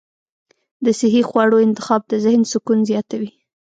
د صحي خواړو انتخاب د ذهن سکون زیاتوي.